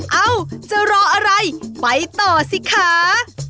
เอ้าจะรออะไรไปต่อสิคะ